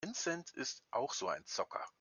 Vincent ist auch so ein Zocker.